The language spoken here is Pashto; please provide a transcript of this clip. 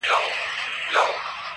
o د چا غمو ته به ځواب نه وايو.